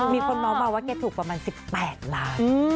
มีคนเมาส์มาว่าแกถูกประมาณ๑๘ล้าน